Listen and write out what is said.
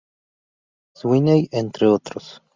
Sweeney entre otros.